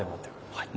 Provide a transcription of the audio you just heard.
はい。